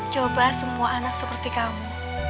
coba semua anak seperti kamu